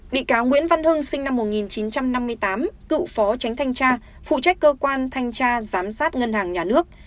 bị cáo nguyễn văn hưng sinh năm một nghìn chín trăm năm mươi tám cựu phó tránh thanh tra phụ trách cơ quan thanh tra giám sát ngân hàng nhà nước